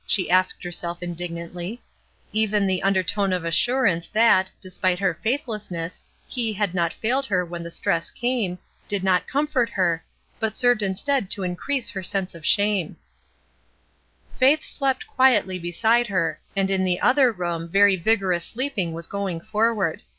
she asked herself mdig nantly Even the undertone of assurance that, despite her faithlessness, He had not failed her when the stress came, did not comfort her, but served instead to increase her sense of shame. MELINDY'S BED 185 Faith slept quietly beside her, and in the other room very vigorous sleeping was going forward.